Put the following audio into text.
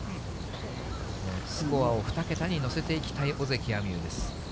スコアを２桁にのせていきたい尾関彩美悠です。